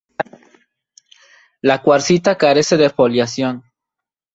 La cuarcita carece de foliación.